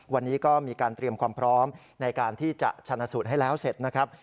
วันนี้ก็มีการเตรียมความพร้อมในการที่จะชนะสูตรให้แล้วเสร็จนะครับ